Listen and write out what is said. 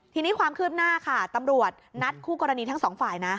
ทีนี้ความคืบหน้าค่ะตำรวจนัดคู่กรณีทั้งสองฝ่ายนะ